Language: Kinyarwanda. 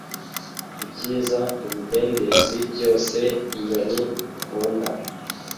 Ibyiza mubidendezi byose inyoni ikunda